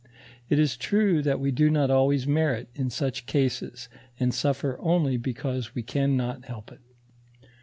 It is true that we do not always merit in such cases and suffer only because we can not help it.